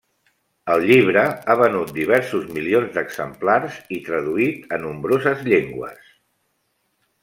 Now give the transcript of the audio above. El llibre ha venut diversos milions d'exemplars i traduït a nombroses llengües.